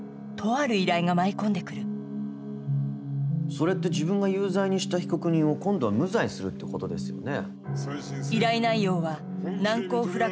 それって自分が有罪にした被告人を今度は無罪にするってことですよね。